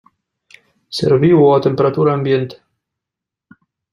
Serviu-ho a temperatura ambient.